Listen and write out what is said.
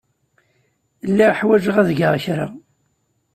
Lliɣ ḥwajeɣ ad geɣ kra.